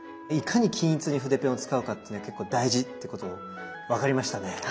いかに均一に筆ペンを使うかっていうのが結構大事っていうこと分かりましたね。